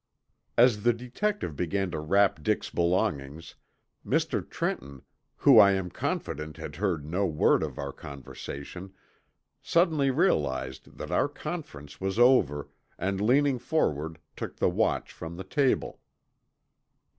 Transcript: As the detective began to wrap Dick's belongings, Mr. Trenton, who I am confident had heard no word of our conversation, suddenly realized that the conference was over and leaning forward took the watch from the table.